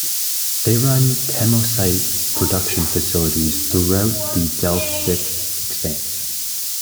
They run kemocite-production facilities throughout the Delphic Expanse.